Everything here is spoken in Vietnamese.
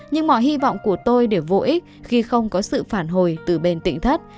nhưng mọi hy vọng của tôi để vô ích khi không có sự phản hồi từ bên tỉnh thất